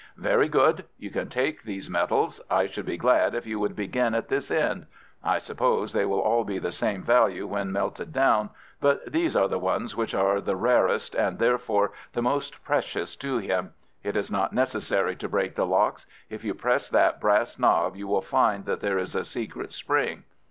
"Very good. You can take these medals. I should be glad if you would begin at this end. I suppose they will all be the same value when melted down, but these are the ones which are the rarest, and, therefore, the most precious to him. It is not necessary to break the locks. If you press that brass knob you will find that there is a secret spring.